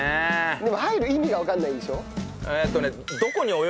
でも入る意味がわかんないんでしょ？